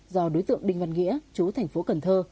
do đối tượng đinh văn nghĩa chú tp cần thơ